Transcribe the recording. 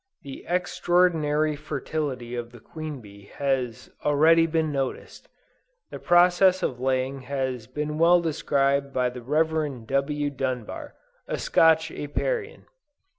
The extraordinary fertility of the queen bee has already been noticed. The process of laying has been well described by the Rev. W. Dunbar, a Scotch Apiarian.